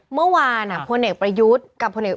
เมื่อวานฮะผัวเนกประยุทธกับผัวเนก